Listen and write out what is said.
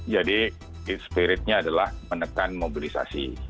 jadi spiritnya adalah menekan mobilisasi